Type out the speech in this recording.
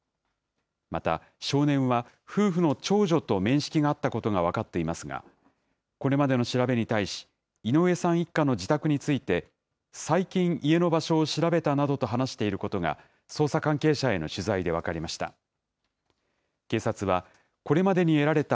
また、少年は夫婦の長女と面識があったことが分かっていますが、これまでの調べに対し、井上さん一家の自宅について、最近、家の場所を調べたなどと話していることが、捜査関係者への取材で分かりました。